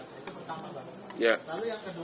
semua seolah olah kejadian itu diungkankan disitu